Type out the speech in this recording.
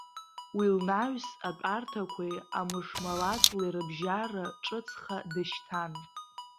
Уи лнаҩс, атәарҭақәеи амышмалаҵлеи рыбжьара, ҿыцха дышьҭан.